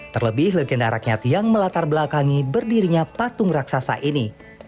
terlebih legenda rakyat yang melatar belakangi berdirinya patung raksasa ini